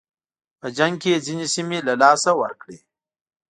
په جنګ کې یې ځینې سیمې له لاسه ورکړې.